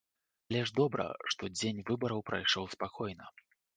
Але ж добра, што дзень выбараў прайшоў спакойна.